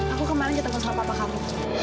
aku kemarin ketemu sama papa kami